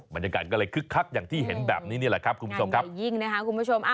บรรยากาศก็เลยคึกคักอย่างที่เห็นแบบนี้นี่แหละครับคุณผู้ชมครับยิ่งนะคะคุณผู้ชม